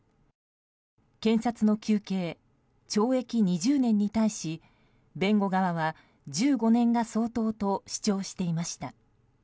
検察の求刑、懲役２０年に対し弁護側は１５年が相当と主張していました。